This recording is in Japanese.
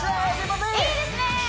いいですね